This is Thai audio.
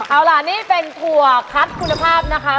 เอาล่ะนี่เป็นถั่วคัดคุณภาพนะคะ